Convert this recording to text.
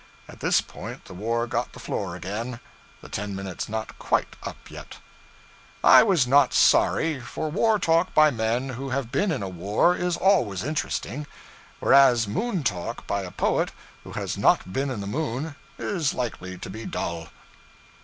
At this point the war got the floor again the ten minutes not quite up yet. I was not sorry, for war talk by men who have been in a war is always interesting; whereas moon talk by a poet who has not been in the moon is likely to be dull.